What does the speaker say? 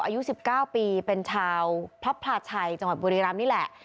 อายุ๑๙ปีเป็นชาวพระพลาชัยจังหวัดบุรีรำนี่แหละ